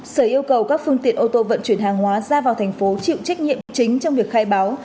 sở yêu cầu các phương tiện ô tô vận chuyển hàng hóa ra vào thành phố chịu trách nhiệm chính trong việc khai báo